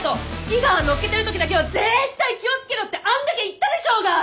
井川乗っけてる時だけはぜったい気を付けろってあんだけ言ったでしょうが！